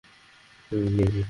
ঠিক করে দিয়েছি।